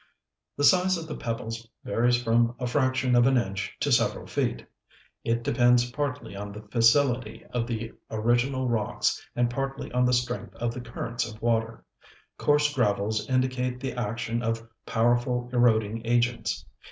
The size of the pebbles varies from a fraction of an inch to several feet; it depends partly on the fissility of the original rocks and partly on the strength of the currents of water; coarse gravels indicate the action of powerful eroding agents.